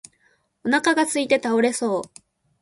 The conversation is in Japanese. お腹がすいて倒れそう